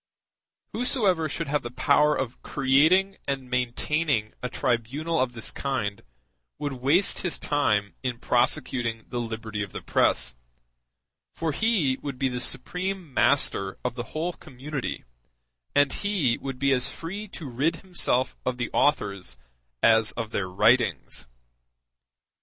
Whosoever should have the power of creating and maintaining a tribunal of this kind would waste his time in prosecuting the liberty of the press; for he would be the supreme master of the whole community, and he would be as free to rid himself of the authors as of their writings.